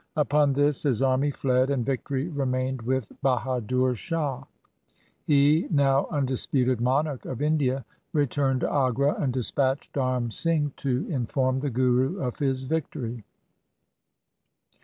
Upon this his army fled and victory remained with Bahadur Shah. He, now undisputed monarch of India, re turned to Agra and dispatched Dharm Singh to inform the Guru of his victory.